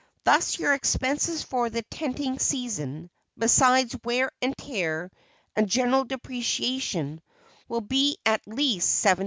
Thus your expenses for the tenting season, besides wear and tear and general depreciation, will be at least $720,000.